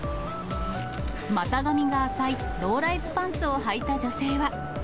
股上が浅いローライズパンツをはいた女性は。